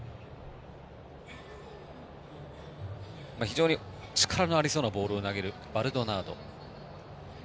非常に力のありそうなボールを投げる、バルドナード。